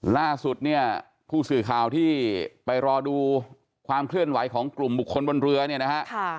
ล่าสุดเนี่ยผู้สื่อข่าวที่ไปรอดูความเคลื่อนไหวของกลุ่มบุคคลบนเรือเนี่ยนะฮะ